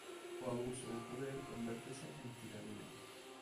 O abuso de poder convértese en tiranía.